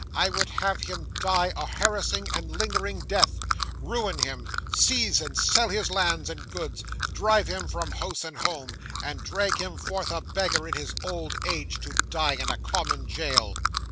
I would have him die a harassing and lingering death. Ruin him, seize and sell his lands and goods, drive him from house and home, and drag him forth a beggar in his old age, to die in a common jail."